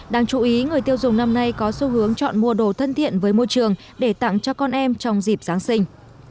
đáng chú ý người tiêu dùng năm nay có xu hướng chọn mua đồ thân thiện với môi trường để tặng cho con em trong dịp giáng sinh